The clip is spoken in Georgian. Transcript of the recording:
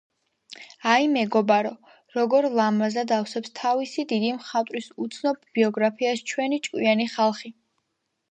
აი, მეგობარო, როგორ ლამაზად ავსებს თავისი დიდი მხატვრის უცნობ ბიოგრაფიას ჩვენი ჭკვიანი ხალხი